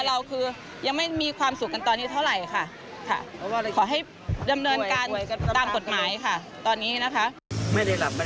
แล้วคุณยายมีความรู้สึกอย่างไรที่